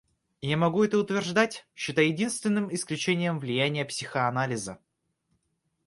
Я могу это утверждать, считая единственным исключением влияние психоанализа.